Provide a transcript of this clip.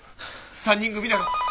３人組だろ？